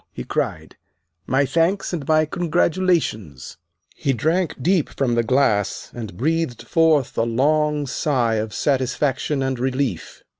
he cried; "my thanks and my congratulations!" He drank deep from the glass, and breathed forth a long sigh of satisfaction and relief.